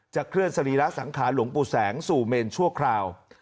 เคลื่อนสรีระสังขารหลวงปู่แสงสู่เมนชั่วคราว